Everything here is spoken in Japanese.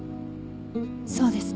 そうですね。